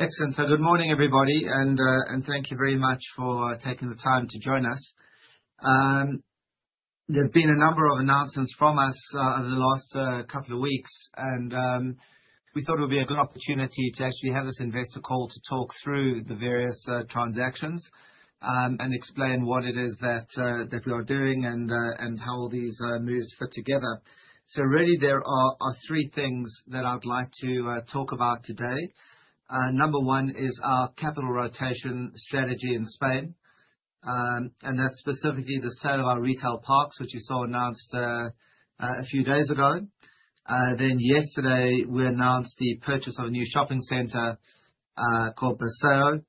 Excellent. Good morning, everybody, and thank you very much for taking the time to join us. There have been a number of announcements from us over the last couple of weeks and we thought it would be a good opportunity to actually have this investor call to talk through the various transactions and explain what it is that we are doing and how these moves fit together. Really there are three things that I would like to talk about today. Number one is our capital rotation strategy in Spain. And that's specifically the sale of our retail parks, which you saw announced a few days ago. Then yesterday we announced the purchase of a new shopping center called Berceo.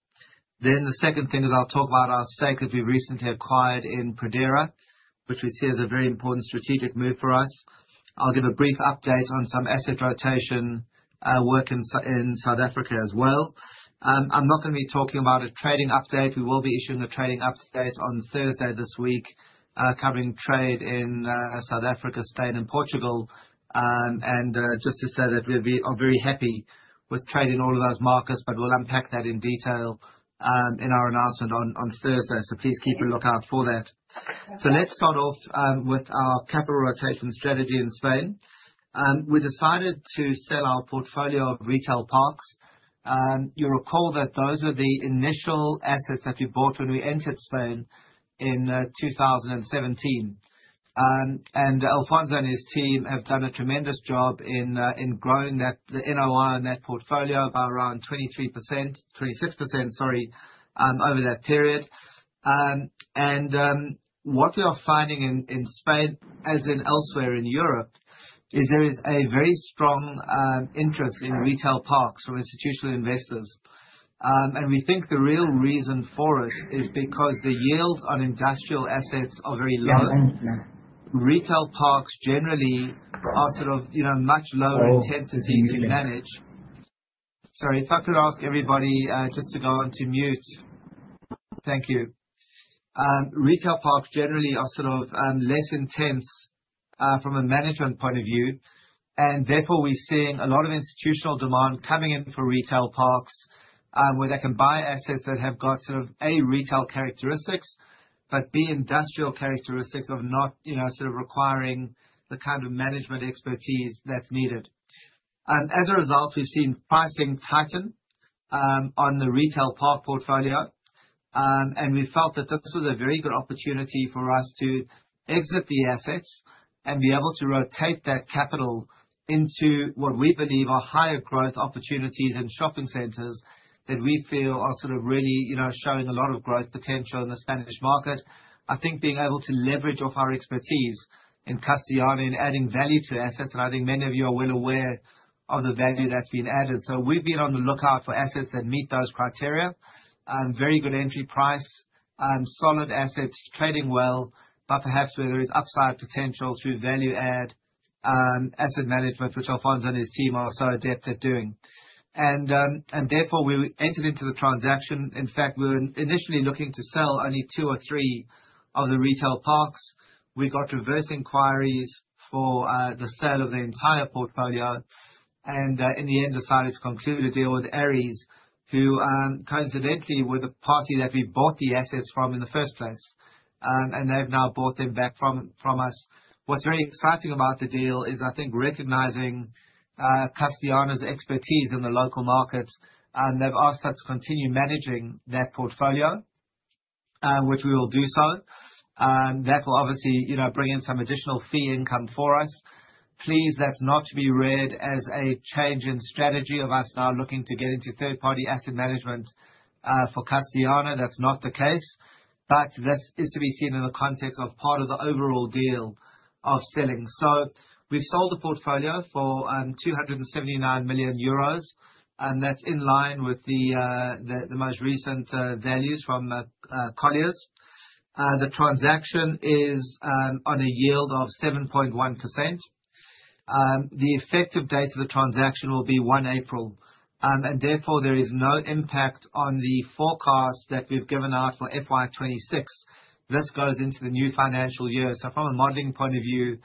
The second thing is I'll talk about our stake that we recently acquired in Pradera, which we see as a very important strategic move for us. I'll give a brief update on some asset rotation work in South Africa as well. I'm not gonna be talking about a trading update. We will be issuing a trading update on Thursday this week, covering trade in South Africa, Spain and Portugal. Just to say that we are very happy with trade in all of those markets, but we'll unpack that in detail in our announcement on Thursday. Please keep a lookout for that. Let's start off with our capital rotation strategy in Spain. We decided to sell our portfolio of retail parks. You'll recall that those were the initial assets that we bought when we entered Spain in 2017. Alfonso and his team have done a tremendous job in growing the NOI in that portfolio by around 23%... 26%, sorry, over that period. What we are finding in Spain, as in elsewhere in Europe, is there is a very strong interest in retail parks from institutional investors. We think the real reason for it is because the yields on industrial assets are very low. Retail parks generally are sort of, you know, much lower intensity to manage. Sorry, if I could ask everybody just to go on to mute. Thank you. Retail parks generally are sort of, less intense, from a management point of view, and therefore we're seeing a lot of institutional demand coming in for retail parks, where they can buy assets that have got sort of, A, retail characteristics, but, B, industrial characteristics of not, you know, sort of requiring the kind of management expertise that's needed. As a result, we've seen pricing tighten on the retail park portfolio. We felt that this was a very good opportunity for us to exit the assets and be able to rotate that capital into what we believe are higher growth opportunities and shopping centers that we feel are sort of really, you know, showing a lot of growth potential in the Spanish market. I think being able to leverage off our expertise in Castellana and adding value to assets, and I think many of you are well aware of the value that's been added. Very good entry price, solid assets, trading well, but perhaps where there is upside potential through value add, asset management, which Alfonso and his team are so adept at doing. Therefore we entered into the transaction. In fact, we were initially looking to sell only two or three of the retail parks. We got reverse inquiries for the sale of the entire portfolio, in the end, decided to conclude a deal with Ares, who coincidentally, were the party that we bought the assets from in the first place. They've now bought them back from us. What's very exciting about the deal is, I think, recognizing Castellana's expertise in the local market, they've asked us to continue managing that portfolio, which we will do so. That will obviously, you know, bring in some additional fee income for us. Please, that's not to be read as a change in strategy of us now looking to get into third-party asset management for Castellana. That's not the case. This is to be seen in the context of part of the overall deal of selling. We've sold the portfolio for 279 million euros, and that's in line with the the most recent values from Colliers. The transaction is on a yield of 7.1%. The effective date of the transaction will be 1 April. Therefore there is no impact on the forecast that we've given out for FY 2026. This goes into the new financial year. From a modeling point of view,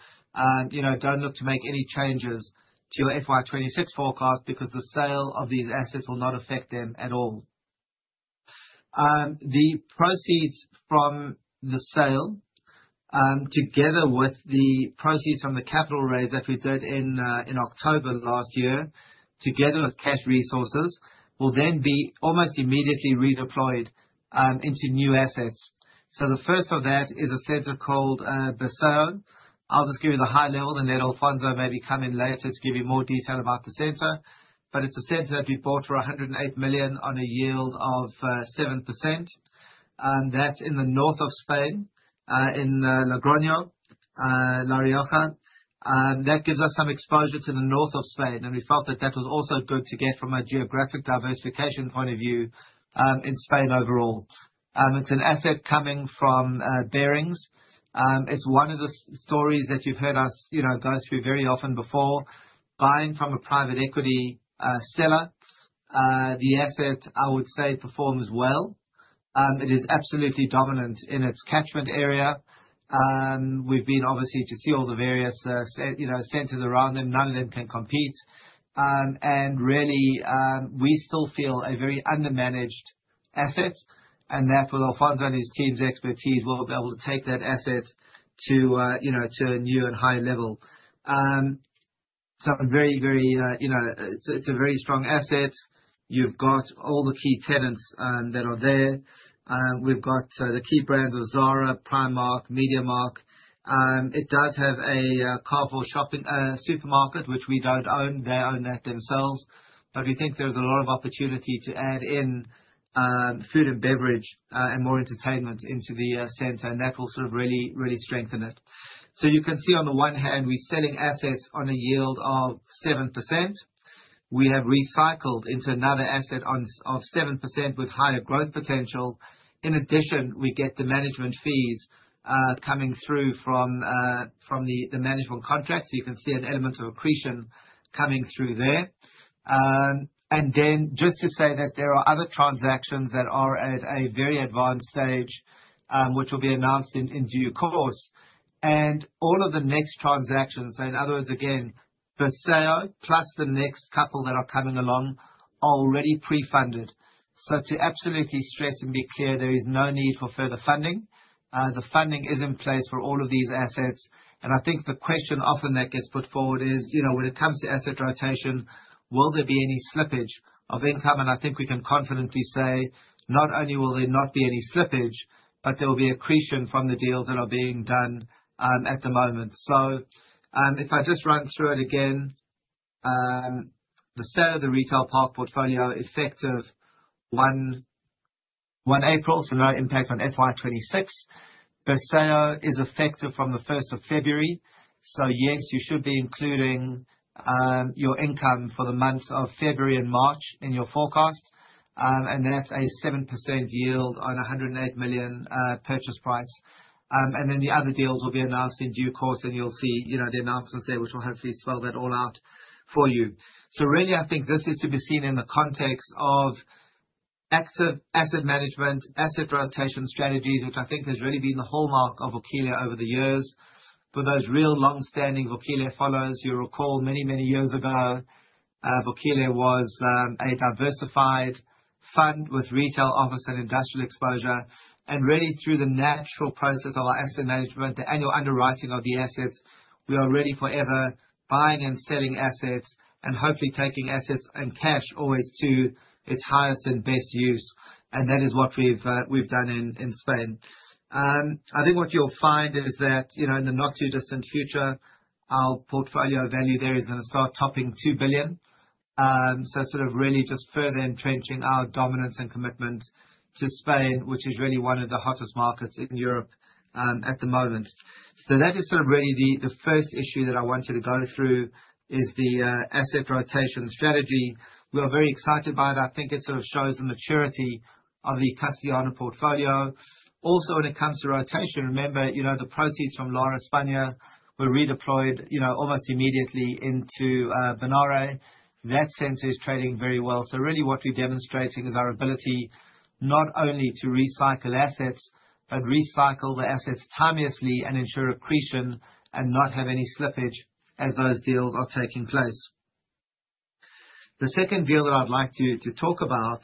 you know, don't look to make any changes to your FY 2026 forecast because the sale of these assets will not affect them at all. The proceeds from the sale, together with the proceeds from the capital raise that we did in October last year, together with cash resources, will then be almost immediately redeployed into new assets. The first of that is a center called Berceo. I'll just give you the high level and then Alfonso maybe come in later to give you more detail about the center. It's a center that we bought for 108 million on a yield of 7%. That's in the north of Spain, in Logroño, La Rioja. That gives us some exposure to the north of Spain, and we felt that that was also good to get from a geographic diversification point of view, in Spain overall. It's an asset coming from Barings. It's one of the stories that you've heard us, you know, go through very often before. Buying from a private equity seller. The asset, I would say, performs well. It is absolutely dominant in its catchment area. We've been obviously to see all the various, you know, centers around them. None of them can compete. Really, we still feel a very undermanaged asset, and that with Alfonso and his team's expertise, we'll be able to take that asset to, you know, to a new and higher level. It's a very strong asset. You've got all the key tenants that are there. We've got the key brands of Zara, Primark, MediaMarkt. It does have a Carrefour shopping supermarket, which we don't own. They own that themselves. We think there's a lot of opportunity to add in food and beverage and more entertainment into the center, and that will sort of really strengthen it. You can see on the one hand, we're selling assets on a yield of 7%. We have recycled into another asset of 7% with higher growth potential. In addition, we get the management fees coming through from the management contract, so you can see an element of accretion coming through there. Then just to say that there are other transactions that are at a very advanced stage, which will be announced in due course. All of the next transactions, so in other words, again, Berceo plus the next couple that are coming along are already pre-funded. So to absolutely stress and be clear, there is no need for further funding. The funding is in place for all of these assets. I think the question often that gets put forward is, you know, when it comes to asset rotation, will there be any slippage of income? I think we can confidently say, not only will there not be any slippage, but there will be accretion from the deals that are being done at the moment. If I just run through it again. The sale of the retail park portfolio effective 1 April, so no impact on FY 2026. Berceo is effective from the 1st of February. Yes, you should be including your income for the months of February and March in your forecast. That's a 7% yield on a 108 million purchase price. Then the other deals will be announced in due course, and you'll see, you know, the announcements there, which will hopefully spell that all out for you. Really, I think this is to be seen in the context of active asset management, asset rotation strategy, which I think has really been the hallmark of Vukile over the years. For those real longstanding Vukile followers, you'll recall many, many years ago, Vukile was a diversified fund with retail office and industrial exposure. Really, through the natural process of our asset management, the annual underwriting of the assets, we are really forever buying and selling assets and hopefully taking assets and cash always to its highest and best use. That is what we've done in Spain. I think what you'll find is that, you know, in the not too distant future, our portfolio value there is gonna start topping 2 billion. Sort of really just further entrenching our dominance and commitment to Spain, which is really one of the hottest markets in Europe at the moment. That is sort of really the first issue that I wanted to go through, is the asset rotation strategy. We are very excited by that. I think it sort of shows the maturity of the Castellana portfolio. Also, when it comes to rotation, remember, you know, the proceeds from Lar España were redeployed, you know, almost immediately into Bonaire. That center is trading very well. Really what we're demonstrating is our ability not only to recycle assets, but recycle the assets timeously and ensure accretion and not have any slippage as those deals are taking place. The second deal that I'd like to talk about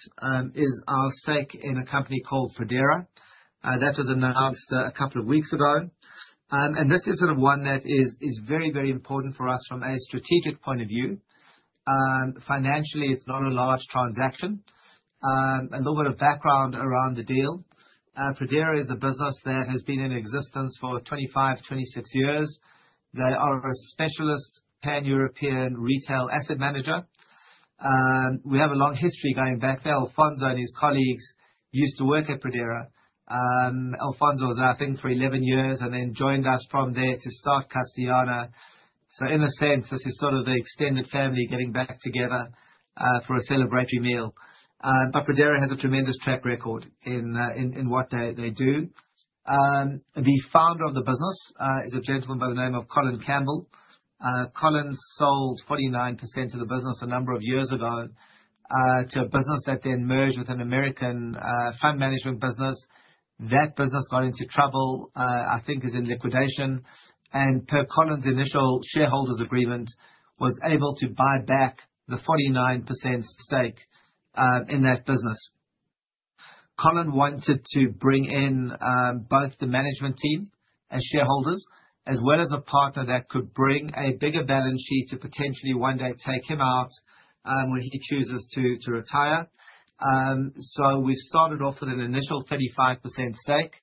is our stake in a company called Pradera. That was announced a couple of weeks ago. This is sort of one that is very important for us from a strategic point of view. Financially, it's not a large transaction. A little bit of background around the deal. Pradera is a business that has been in existence for 25, 26 years. They are a specialist Pan-European retail asset manager. We have a long history going back there. Alfonso and his colleagues used to work at Pradera. Alfonso was there, I think, for 11 years and then joined us from there to start Castellana. In a sense, this is sort of the extended family getting back together for a celebratory meal. Pradera has a tremendous track record in what they do. The founder of the business is a gentleman by the name of Colin Campbell. Colin sold 49% of the business a number of years ago to a business that then merged with an American fund management business. That business got into trouble, I think is in liquidation. Per Colin's initial shareholders agreement, was able to buy back the 49% stake in that business. Colin wanted to bring in both the management team as shareholders, as well as a partner that could bring a bigger balance sheet to potentially one day take him out when he chooses to retire. We started off with an initial 35% stake.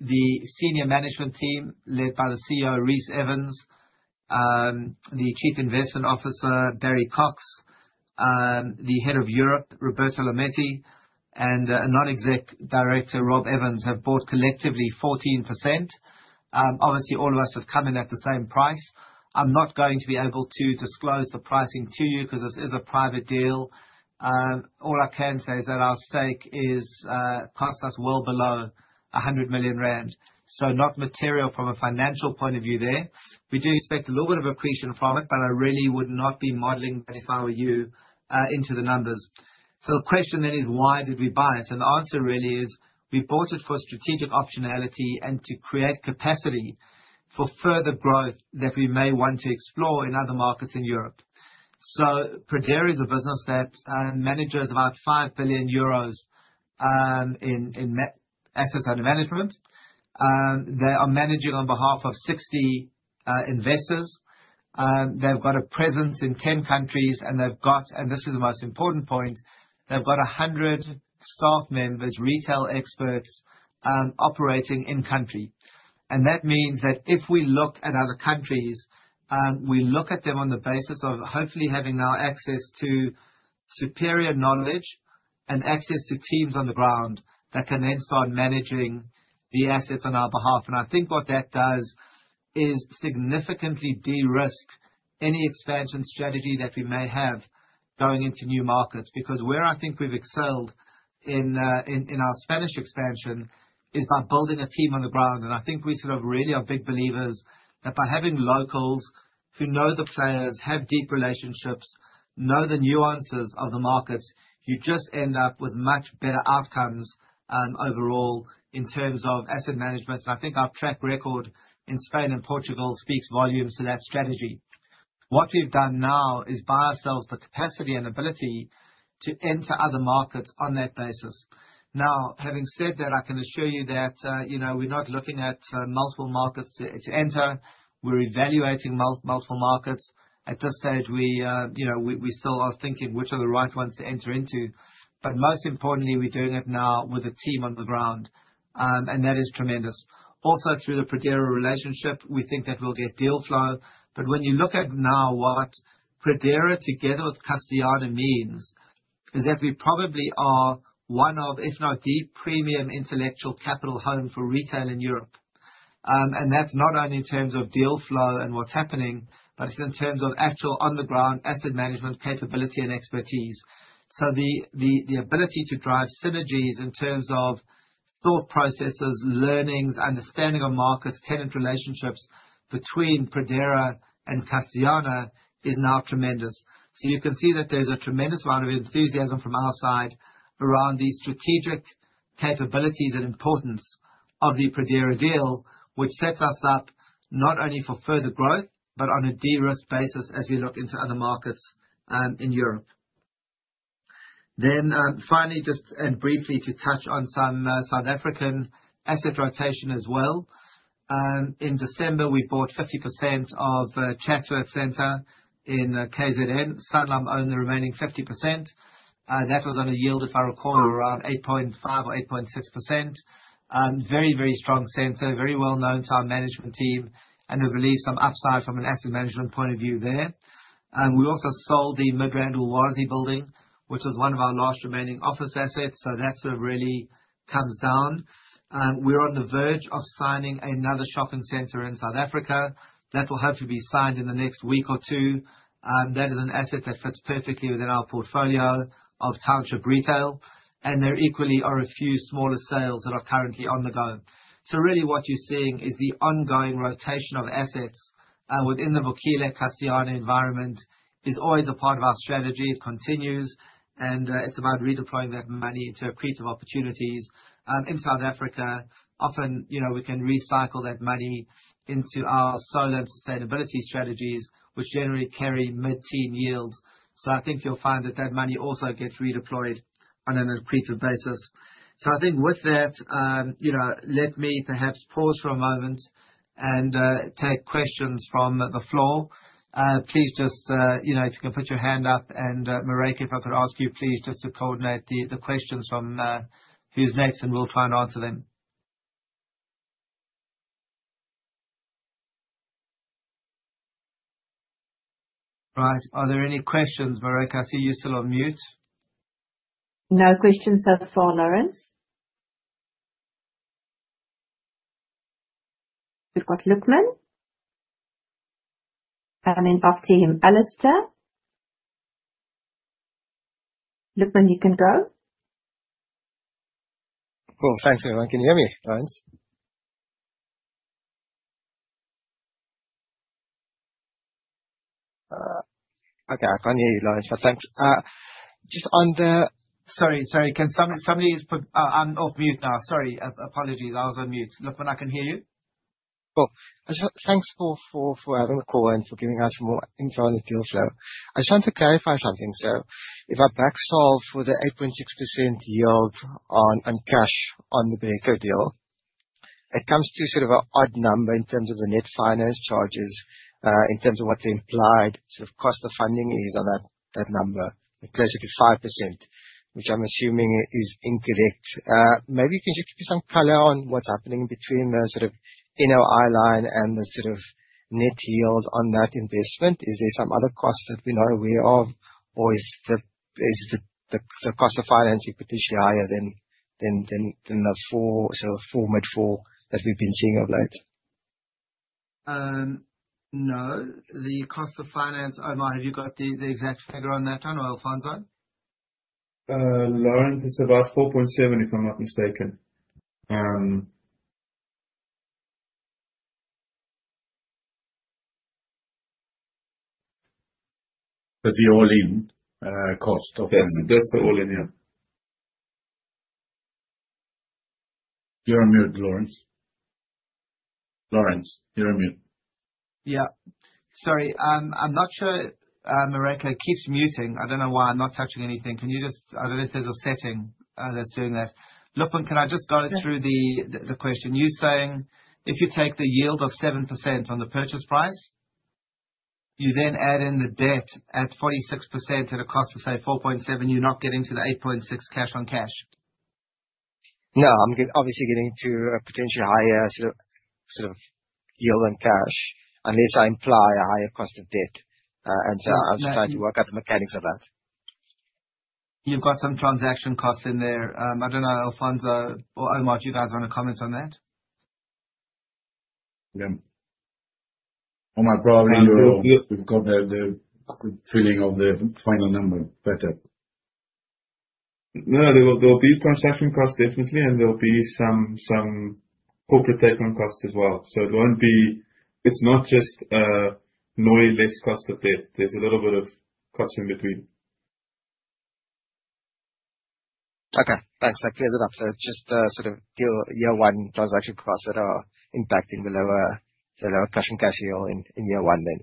The senior management team led by the CEO, Rhys Evans, the Chief Investment Officer, Barry Cox, the Head of Europe, Alfonso Brunet, and Non-Exec Director, Rob Evans, have bought collectively 14%. Obviously all of us have come in at the same price. I'm not going to be able to disclose the pricing to you because this is a private deal. All I can say is that our stake is cost us well below 100 million rand. Not material from a financial point of view there. We do expect a little bit of accretion from it, but I really would not be modeling that if I were you into the numbers. The question then is: Why did we buy it? The answer really is we bought it for strategic optionality and to create capacity for further growth that we may want to explore in other markets in Europe. Pradera is a business that manages about EUR 5 billion in net assets under management. They are managing on behalf of 60 investors. They've got a presence in 10 countries, and they've got - and this is the most important point - they've got 100 staff members, retail experts, operating in country. That means that if we look at other countries, we look at them on the basis of hopefully having now access to superior knowledge and access to teams on the ground that can then start managing the assets on our behalf. I think what that does is significantly de-risk any expansion strategy that we may have going into new markets. Where I think we've excelled in our Spanish expansion is by building a team on the ground. I think we sort of really are big believers that by having locals who know the players, have deep relationships, know the nuances of the markets, you just end up with much better outcomes overall in terms of asset management. I think our track record in Spain and Portugal speaks volumes to that strategy. What we've done now is buy ourselves the capacity and ability to enter other markets on that basis. Having said that, I can assure you that, you know, we're not looking at multiple markets to enter. We're evaluating multiple markets. At this stage, we, you know, we still are thinking which are the right ones to enter into. Most importantly, we're doing it now with a team on the ground, and that is tremendous. Also, through the Pradera relationship, we think that we'll get deal flow. When you look at now what Pradera together with Castellana means is that we probably are one of, if not the premium intellectual capital home for retail in Europe. That's not only in terms of deal flow and what's happening, but it's in terms of actual on-the-ground asset management capability and expertise. The ability to drive synergies in terms of thought processes, learnings, understanding of markets, tenant relationships between Pradera and Castellana is now tremendous. You can see that there's a tremendous amount of enthusiasm from our side around the strategic capabilities and importance of the Pradera deal, which sets us up not only for further growth, but on a de-risked basis as we look into other markets in Europe. Finally, just and briefly to touch on some South African asset rotation as well. In December, we bought 50% of Chatsworth Centre in KZN. Sanlam own the remaining 50%. That was on a yield, if I recall, around 8.5% or 8.6%. Very strong center, very well known to our management team, and we believe some upside from an asset management point of view there. We also sold the Midrand Ulwazi Building, which was one of our last remaining office assets. That sort of really comes down. We're on the verge of signing another shopping center in South Africa. That will hopefully be signed in the next week or two. That is an asset that fits perfectly within our portfolio of township retail. There equally are a few smaller sales that are currently on the go. Really what you're seeing is the ongoing rotation of assets within the Vukile Castellana environment. It's always a part of our strategy. It continues. It's about redeploying that money to accretive opportunities. In South Africa, often, you know, we can recycle that money into our solar sustainability strategies, which generally carry mid-teen yields. I think you'll find that that money also gets redeployed on an accretive basis. I think with that, you know, let me perhaps pause for a moment and take questions from the floor. Please just, you know, if you can put your hand up and Marijke, if I could ask you please just to coordinate the questions from who's next, and we'll try and answer them. Right. Are there any questions? Marijke, I see you're still on mute. No questions so far, Laurence. We've got Luqman. Then after him, Alistair. Luqman, you can go. Cool. Thanks, everyone. Can you hear me, Laurence? Okay. I can hear you, Laurence. Thanks. Sorry. Can somebody put... I'm off mute now. Sorry. Apologies, I was on mute. Luqman, I can hear you. Cool. Thanks for having the call and for giving us more info on the deal flow. I just want to clarify something, sir. If I back solve for the 8.6% yield on cash on the Berceo deal, it comes to sort of an odd number in terms of the net finance charges, in terms of what the implied sort of cost of funding is on that number. We're closer to 5%, which I'm assuming is incorrect. Maybe can you just give me some color on what's happening between the sort of NOI line and the sort of net yield on that investment. Is there some other costs that we're not aware of? Is the cost of financing potentially higher than the sort of four mid four that we've been seeing of late? No. The cost of finance, Omar, have you got the exact figure on that one, or Alfonso? Laurence, it's about 4.7, if I'm not mistaken. That's the all-in, cost of that one. Yes. That's the all-in, yeah. You're on mute, Laurence. Laurence, you're on mute. Yeah. Sorry. I'm not sure, Marijke, it keeps muting. I don't know why. I'm not touching anything. I don't know if there's a setting that's doing that. Luqman, can I just guide through the question? You're saying if you take the yield of 7% on the purchase price, you then add in the debt at 46% at a cost of, say, 4.7%. You're not getting to the 8.6% cash on cash. No. I'm obviously getting to a potentially higher sort of yield on cash, unless I imply a higher cost of debt. I'm just trying to work out the mechanics of that. You've got some transaction costs in there. I don't know, Alfonso or Omar, do you guys wanna comment on that? Yeah. Omar probably will. We've got the feeling of the final number better. There will be transaction costs definitely, and there will be some corporate take on costs as well. It's not just NOI less cost of debt. There's a little bit of cost in between. Okay. Thanks. That clears it up. It's just the sort of deal year one transaction costs that are impacting the lower cash and cash yield in year one then.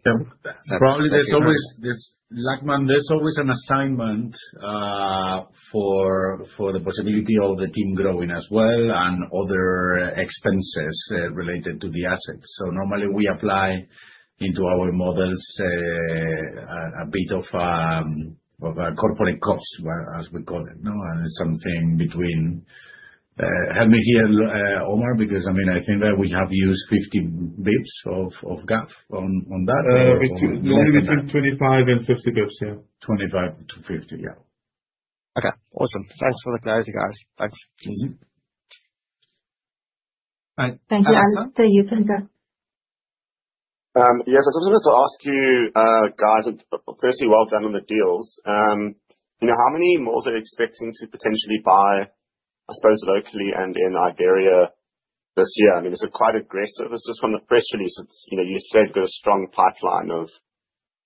Probably there's always this Luqman, there's always an assignment for the possibility of the team growing as well and other expenses related to the assets. Normally we apply into our models a bit of a corporate cost, as we call it, no? Something between Help me here, Omar, because I mean, I think that we have used 50 bips of GAV on that or less than that. Normally between 25 and 50 bips, yeah. 25-50. Yeah. Okay. Awesome. Thanks for the clarity, guys. Thanks. All right. Thank you. Alistair, you can go. Yes. I just wanted to ask you, guys, firstly, well done on the deals. How many malls are you expecting to potentially buy, I suppose locally and in Iberia this year? Is it quite aggressive? It's just from the press release, it's, you said you've got a strong pipeline of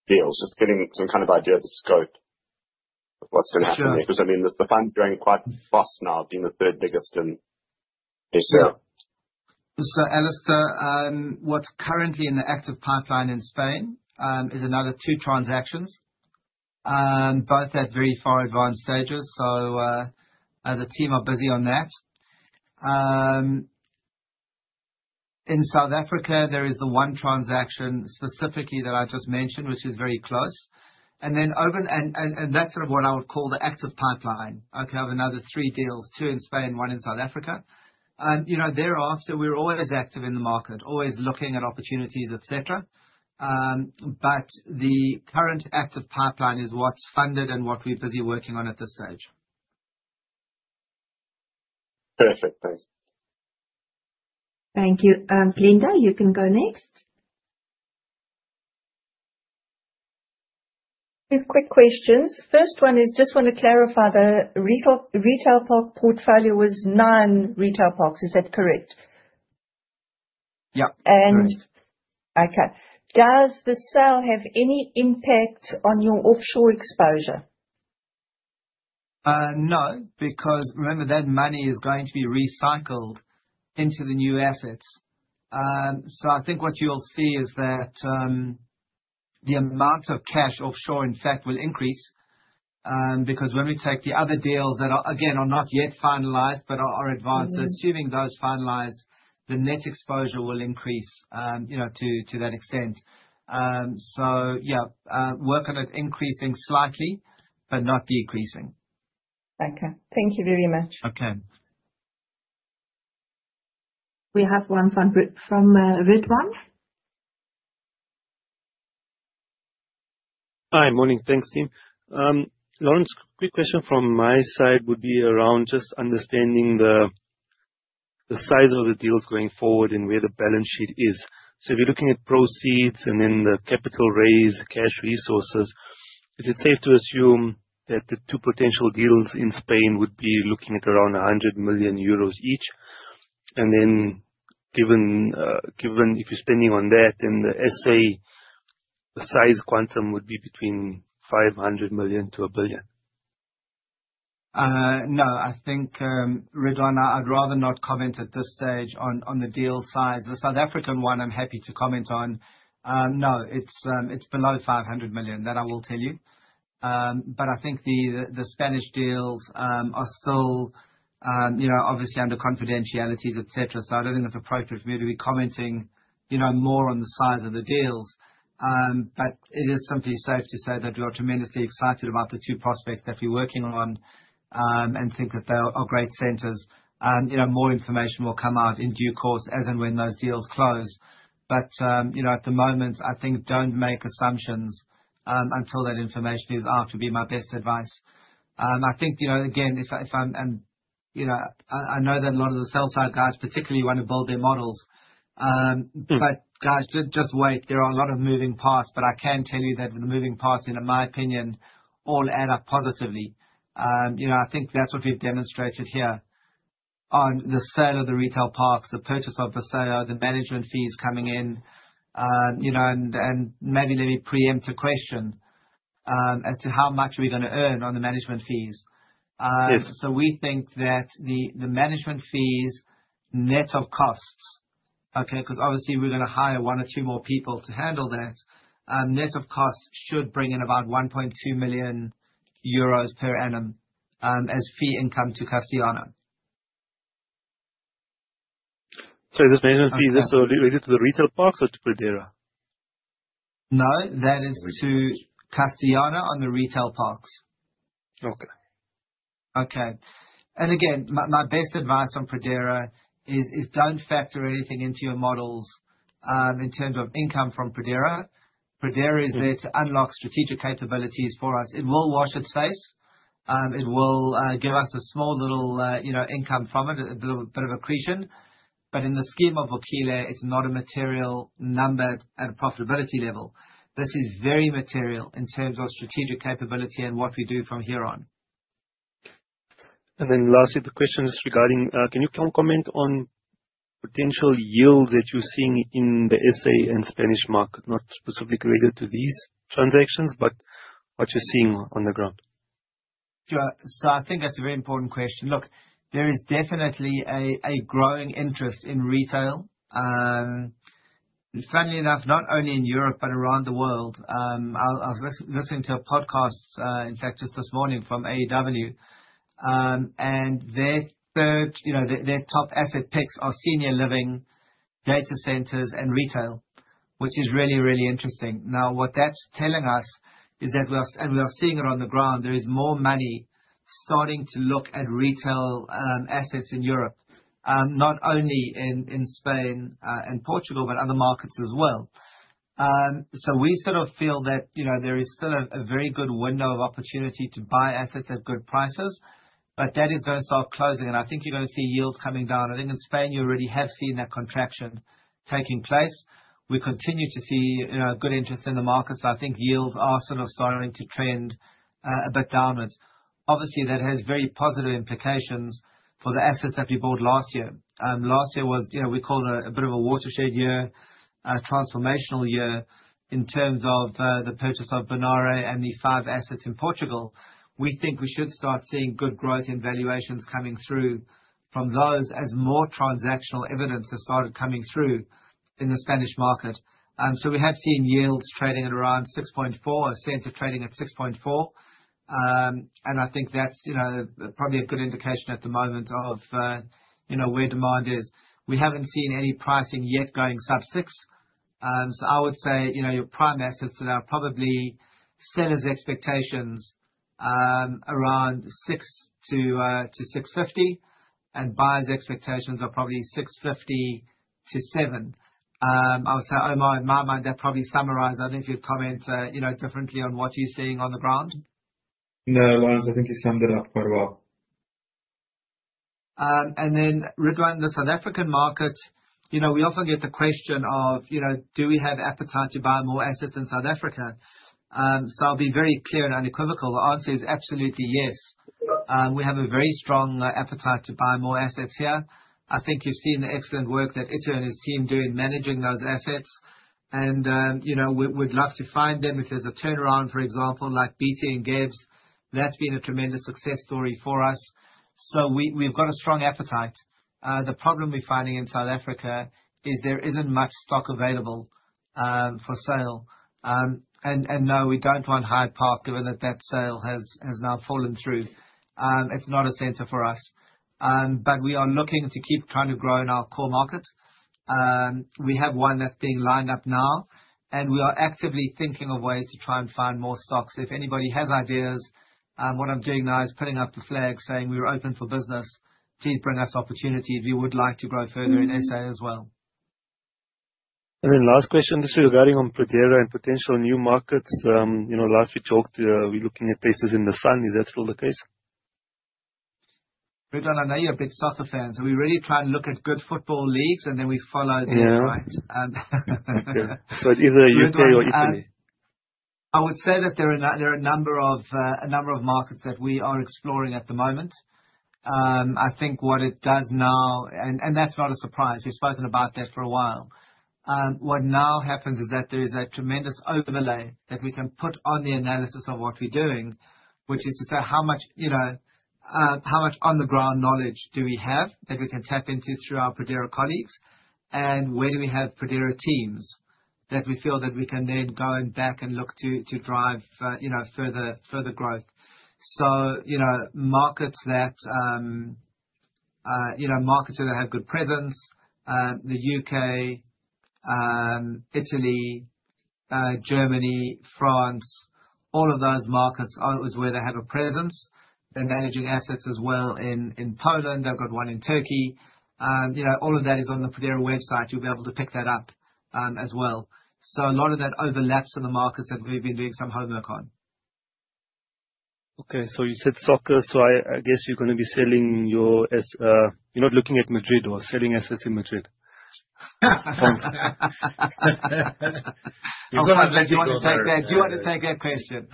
deals. Just getting some kind of idea of the scope of what's gonna happen there. Sure. I mean, the fund's growing quite fast now, being the third biggest in SA. Alistair, what's currently in the active pipeline in Spain, is another three transactions. Both at very far advanced stages. The team are busy on that. In South Africa, there is the one transaction specifically that I just mentioned, which is very close. And that's sort of what I would call the active pipeline. Okay? I have another three deals, two in Spain, one in South Africa. You know, thereafter, we're always active in the market, always looking at opportunities, et cetera. The current active pipeline is what's funded and what we're busy working on at this stage. Perfect. Thanks. Thank you. Glenda, you can go next. Two quick questions. First one is just want to clarify the retail park portfolio was non-retail parks. Is that correct? Yeah. Correct. Okay. Does the sale have any impact on your offshore exposure? No, because remember, that money is going to be recycled into the new assets. I think what you'll see is that, the amount of cash offshore in fact will increase, because when we take the other deals that are, again, are not yet finalized but are advanced. Mm-hmm. Assuming those finalized, the net exposure will increase, you know, to that extent. Yeah. Working at increasing slightly, but not decreasing. Okay. Thank you very much. Okay. We have one from Ridwaan. Hi. Morning. Thanks, team. Laurence, quick question from my side would be around just understanding the size of the deals going forward and where the balance sheet is. If you're looking at proceeds and then the capital raise, cash resources, is it safe to assume that the two potential deals in Spain would be looking at around 100 million euros each? Given if you're spending on that, then the SA, the size quantum would be between 500 million-1 billion? No. I think, Ridwaan, I'd rather not comment at this stage on the deal size. The South African one I'm happy to comment on. No, it's below 500 million, that I will tell you. I think the Spanish deals are still, you know, obviously under confidentialities, et cetera. So I don't think it's appropriate for me to be commenting, you know, more on the size of the deals. It is simply safe to say that we are tremendously excited about the two prospects that we're working on, and think that they are great centers. You know, more information will come out in due course as and when those deals close. You know, at the moment, I think don't make assumptions until that information is out, would be my best advice. I think, you know, again, if I'm, you know, I know that a lot of the sales side guys particularly wanna build their models. Mm. Guys, just wait. There are a lot of moving parts. I can tell you that the moving parts, in my opinion, all add up positively. you know, I think that's what we've demonstrated here on the sale of the retail parks, the purchase of Berceo, the management fees coming in, you know, and maybe let me preempt a question as to how much we're gonna earn on the management fees. Yes. We think that the management fees, net of costs, okay? Because obviously we're gonna hire one or two more people to handle that. Net of costs should bring in about 1.2 million euros per annum as fee income to Castellana. This management fee, is this related to the retail parks or to Pradera? No, that is to Castellana on the retail parks. Okay. Okay. Again, my best advice on Pradera is don't factor anything into your models in terms of income from Pradera. Pradera is there to unlock strategic capabilities for us. It will wash its face. It will give us a small little, you know, income from it, a little bit of accretion. In the scheme of Vukile, it's not a material number at a profitability level. This is very material in terms of strategic capability and what we do from here on. Lastly, the question is regarding, can you comment on potential yields that you're seeing in the SA and Spanish market? Not specifically related to these transactions, but what you're seeing on the ground. Sure. I think that's a very important question. Look, there is definitely a growing interest in retail. Funnily enough, not only in Europe, but around the world. I was listening to a podcast, in fact, just this morning from [AWE]. Their, you know, their top asset picks are senior living, data centers and retail, which is really, really interesting. What that's telling us is that we are, and we are seeing it on the ground, there is more money starting to look at retail assets in Europe. Not only in Spain and Portugal, but other markets as well. We sort of feel that, you know, there is still a very good window of opportunity to buy assets at good prices, but that is gonna start closing. I think you're going to see yields coming down. I think in Spain, you already have seen that contraction taking place. We continue to see, you know, good interest in the market. I think yields are sort of starting to trend a bit downwards. Obviously, that has very positive implications for the assets that we bought last year. Last year was, you know, we called it a bit of a watershed year, a transformational year in terms of the purchase of Bonaire and the five assets in Portugal. We think we should start seeing good growth in valuations coming through from those as more transactional evidence has started coming through in the Spanish market. We have seen yields trading at around 6.4%, I've seen it trading at 6.4%. I think that's, you know, probably a good indication at the moment of, you know, where demand is. We haven't seen any pricing yet going sub-6. I would say, you know, your prime assets are now probably sellers expectations, around 6-6.50. Buyers expectations are probably 6.50-7. I would say, Omar, in my mind, that probably summarized. I don't know if you'd comment, you know, differently on what you're seeing on the ground. No, Laurence, I think you summed it up quite well. Then regarding the South African market, you know, we often get the question of, you know, do we have appetite to buy more assets in South Africa? I'll be very clear and unequivocal. The answer is absolutely yes. We have a very strong appetite to buy more assets here. I think you've seen the excellent work that Itumeleng and his team do in managing those assets. You know, we'd love to find them. If there's a turnaround, for example, like BT Ngebs, that's been a tremendous success story for us. We, we've got a strong appetite. The problem we're finding in South Africa is there isn't much stock available for sale. And no, we don't want Hyde Park, given that that sale has now fallen through. It's not a center for us. We are looking to keep trying to grow in our core markets. We have one that's being lined up now, and we are actively thinking of ways to try and find more stocks. If anybody has ideas, what I'm doing now is putting up the flag saying we're open for business. Please bring us opportunities. We would like to grow further in SA as well. Last question, just regarding on Pradera and potential new markets. you know, last we talked, we're looking at places in the Sun. Is that still the case? Ridwaan, I know you're a big soccer fan, so we really try and look at good football leagues, and then we follow there, right? Yeah. Okay. It's either U.K. or Italy. I would say that there are a number of markets that we are exploring at the moment. I think what it does now... And that's not a surprise. We've spoken about that for a while. What now happens is that there is a tremendous overlay that we can put on the analysis of what we're doing, which is to say how much, you know, on-the-ground knowledge do we have that we can tap into through our Pradera colleagues? And where do we have Pradera teams that we feel that we can then go back and look to drive, you know, further growth. You know, markets that, you know, markets where they have good presence, the U.K., Italy, Germany, France. All of those markets are always where they have a presence. They're managing assets as well in Poland. They've got one in Turkey. You know, all of that is on the Pradera website. You'll be able to pick that up as well. A lot of that overlaps in the markets that we've been doing some homework on. You said soccer, I guess you're gonna be selling your. You're not looking at Madrid or selling assets in Madrid? I'm gonna let you wanna take that. Do you wanna take that question?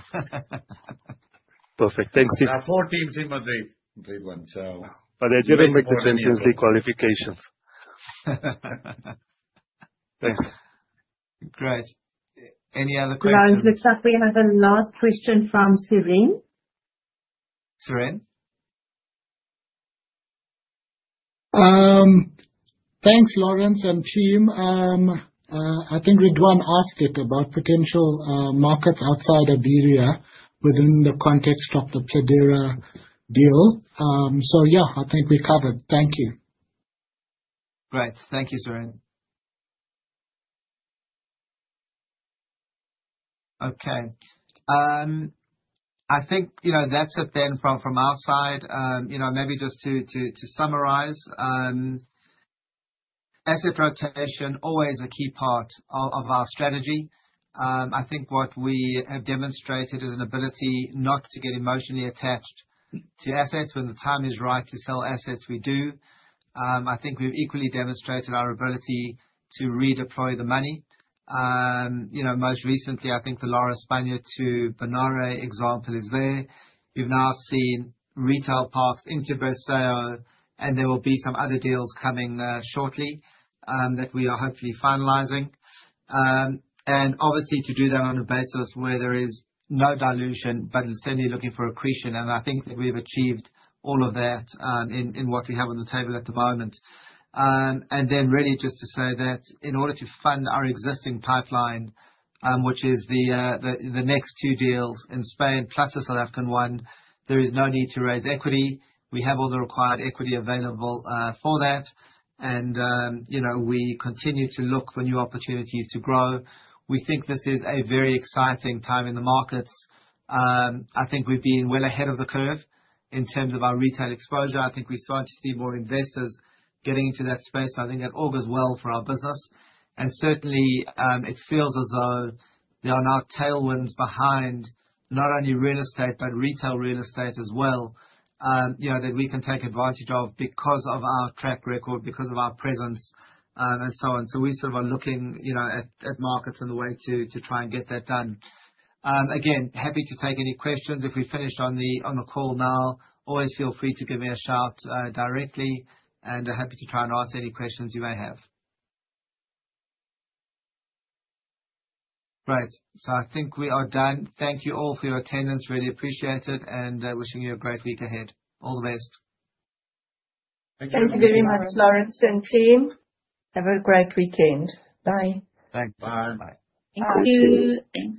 Perfect. Thanks. There are four teams in Madrid, Ridwaan. They didn't make it to UEFA qualifications. Thanks. Great. Any other questions? Right. We have a last question from Suren. Suren? Thanks, Laurence and team. I think Ridwaan asked it about potential markets outside of EMEA within the context of the Pradera deal. Yeah, I think we're covered. Thank you. Great. Thank you, Suren. Okay. I think, you know, that's it then from our side. You know, maybe just to summarize, asset rotation always a key part of our strategy. I think what we have demonstrated is an ability not to get emotionally attached to assets. When the time is right to sell assets, we do. I think we've equally demonstrated our ability to redeploy the money. You know, most recently, I think the Lar España to Bonaire example is there. We've now seen retail parks into Berceo, and there will be some other deals coming shortly that we are hopefully finalizing. Obviously to do that on a basis where there is no dilution, but instead you're looking for accretion, and I think that we've achieved all of that in what we have on the table at the moment. Really just to say that in order to fund our existing pipeline, which is the next two deals in Spain plus the South African one, there is no need to raise equity. We have all the required equity available for that. You know, we continue to look for new opportunities to grow. We think this is a very exciting time in the markets. I think we've been well ahead of the curve in terms of our retail exposure. I think we're starting to see more investors getting into that space. I think that all goes well for our business. Certainly, it feels as though there are now tailwinds behind not only real estate, but retail real estate as well, you know, that we can take advantage of because of our track record, because of our presence, and so on. We sort of are looking, you know, at markets and the way to try and get that done. Again, happy to take any questions. If we finish on the call now, always feel free to give me a shout directly, and happy to try and answer any questions you may have. Great. I think we are done. Thank you all for your attendance. Really appreciate it, and wishing you a great week ahead. All the best. Thank you very much, Laurence and team. Have a great weekend. Bye. Thanks. Bye. Bye. Thank you.